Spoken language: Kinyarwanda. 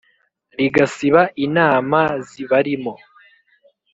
Rigasiba inama zibarimo